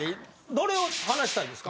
どれを話したいんですか